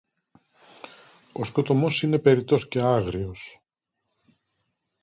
Ο σκοτωμός είναι περιττός και άγριος